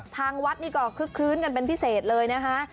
ทางวัดนี่ก็คลึกคลื้นกันเป็นพิเศษเลยนะคะ